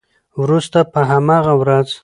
وروسته په همغه ورځ